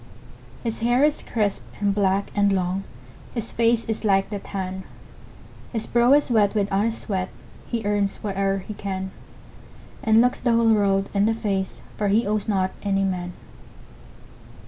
His hair is crisp, and black, and long, His face is like the tan; His brow is wet with honest sweat, He earns whate'er he can, And looks the whole world in the face, For he owes not any man.